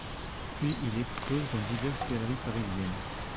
Puis il expose dans diverses galeries parisiennes.